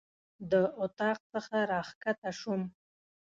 د اطاق څخه راکښته شوم.